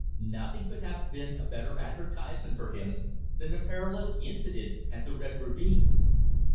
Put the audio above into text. Nothing could have been a better advertisement for him than the perilous incident at the Red Ravine.